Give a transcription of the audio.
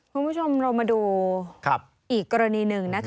คุณผู้ชมเรามาดูอีกกรณีหนึ่ง